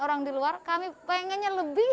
orang di luar kami pengennya lebih